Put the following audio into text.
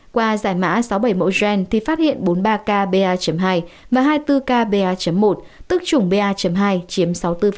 qua giải mã sáu mươi bảy mẫu gen thì phát hiện bốn mươi ba k ba hai và hai mươi bốn k ba một tức chủng ba hai chiếm sáu mươi bốn